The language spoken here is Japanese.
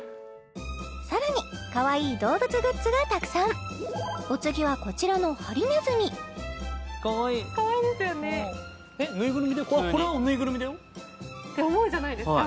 さらにかわいい動物グッズがたくさんお次はこちらのハリネズミかわいいかわいいですよねて思うじゃないですか